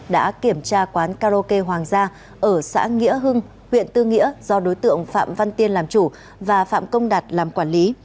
đã kiểm tra quán karaoke hoàng gia ở xã nghĩa hưng huyện tư nghĩa do đối tượng phạm văn tiên làm chủ và phạm công đạt làm quản lý